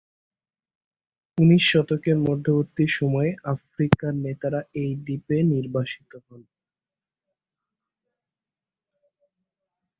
ঊনিশ শতকের মধ্যবর্তী সময়ে আফ্রিকান নেতারা এই দ্বীপে নির্বাসিত হন।